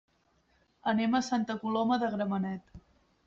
Anem a Santa Coloma de Gramenet.